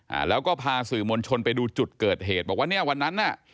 อ่าแล้วก็พาสื่อมวลชนไปดูจุดเกิดเหตุบอกว่าเนี้ยวันนั้นน่ะ